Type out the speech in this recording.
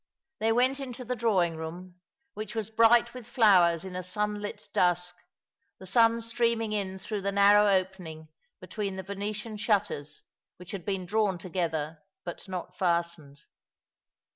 They went into the drawing room, which was bright with flowers in a sunlit dusk, the sun streaming in through the narrow opening between the Venetian shutters, which had been drawn together, but not fastened.